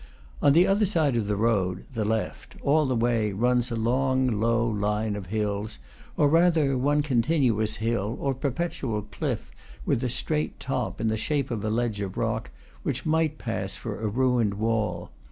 On the other side of the road (the left), all the way, runs a long, low line of hills, or rather one continuous hill, or perpetual cliff, with a straight top, in the shape of a ledge of rock, which might pass for a ruined wall.